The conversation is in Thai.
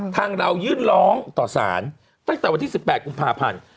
ทางเรายื่นร้องต่อสารตั้งแต่วันที่๑๘กุมภาพันธ์